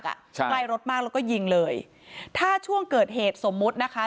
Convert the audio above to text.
ใช่ใกล้รถมากแล้วก็ยิงเลยถ้าช่วงเกิดเหตุสมมุตินะคะ